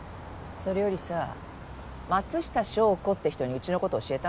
それよりさ松下祥子って人にうちのこと教えた？